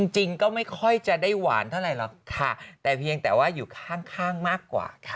จริงก็ไม่ค่อยจะได้หวานเท่าไหร่ค่ะแต่เพียงแต่ว่าอยู่ข้างมากกว่าค่ะ